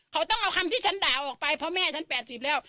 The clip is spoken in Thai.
เขาต้องเอาคำที่ฉันด่าออกไปเพราะแม่ฉัน๘๐แล้ว